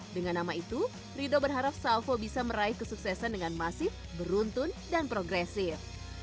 dengan nama itu rido berharap salvo bisa meraih kesuksesan dengan masif beruntun dan progresif